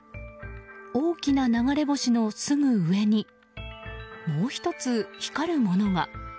大きな流れ星のすぐ上にもう１つ、光るものが。